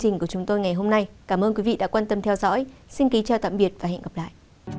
cảm ơn các bạn đã theo dõi và hẹn gặp lại